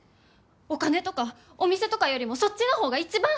お金とかお店とかよりもそっちの方が一番！